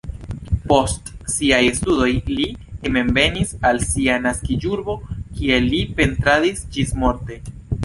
Post siaj studoj li hejmenvenis al sia naskiĝurbo, kie li pentradis ĝismorte.